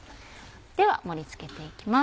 では盛り付けていきます。